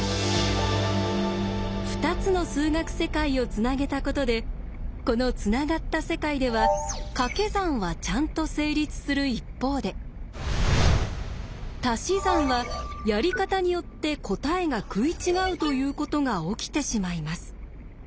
２つの数学世界をつなげたことでこのつながった世界ではかけ算はちゃんと成立する一方でたし算はやり方によって答えが食い違うということが起きてしまいます。